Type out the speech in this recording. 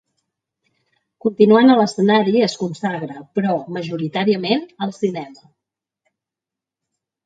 Continuant a l'escenari, es consagra però majoritàriament al cinema.